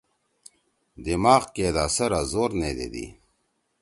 دماغ کے دا سرا زور نے دیدی۔